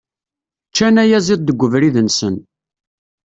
Ččan ayaziḍ deg ubrid-nsen.